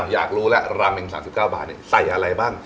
อยากรู้แล้วราเมง๓๙บาทใส่อะไรบ้าง